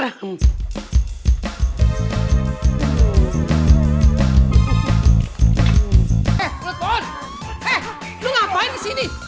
eh lu ngapain disini